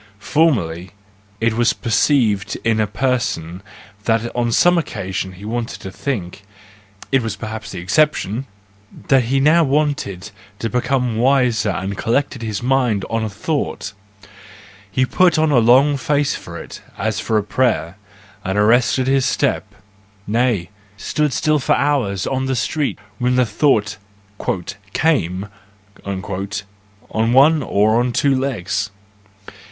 Formerly it was perceived in a person that on some occasion he wanted to think—it was perhaps the exception !—that he now wanted to become wiser and collected his mind on a thought: he put on a long face for it, as for a prayer, and arrested his step—nay, stood still for hours on the street when the thought "came"—on one or on two legs.